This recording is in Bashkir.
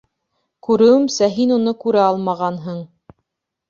Күреүемсә, һин уны күрә алмағанһың.